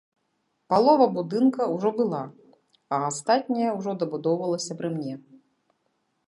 Палова будынка ўжо была, а астатняе ўжо дабудоўвалася пры мне.